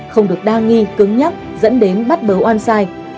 không được đa nghi cứng nhắc dẫn đến bắt bớ oan sai